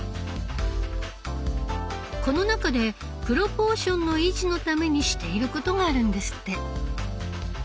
この中でプロポーションの維持のためにしていることがあるんですって。